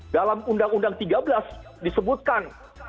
dalam undang undang tiga belas disebutkan